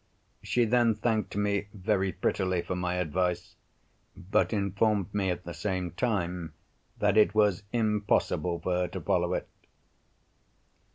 She then thanked me very prettily for my advice, but informed me at the same time that it was impossible for her to follow it.